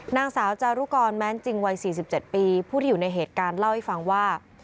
นางสาวจารุกรแม้นจริงวัย๔๗ปีผู้ที่อยู่ในเหตุการณ์เล่าให้ฟังว่า